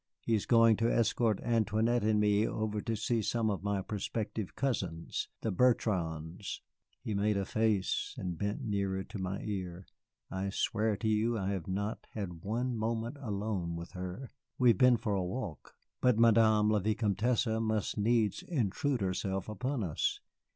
He is going to escort Antoinette and me over to see some of my prospective cousins, the Bertrands." He made a face, and bent nearer to my ear. "I swear to you I have not had one moment alone with her. We have been for a walk, but Madame la Vicomtesse must needs intrude herself upon us.